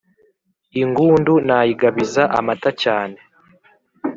Ingundu nayigabizaga amata cyane